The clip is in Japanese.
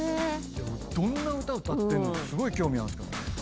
どんな歌歌ってんのかすごい興味あるんすけどね。